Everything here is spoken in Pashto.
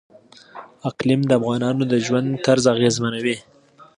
اقلیم د افغانانو د ژوند طرز اغېزمنوي.